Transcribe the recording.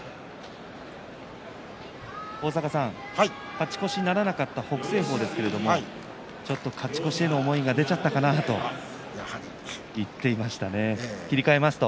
勝ち越しならなかった北青鵬ですけれどもちょっと勝ち越しへの思いが出ちゃったかなと言っていましたね。